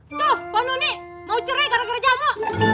tuh bono nih mau cerai gara gara jamu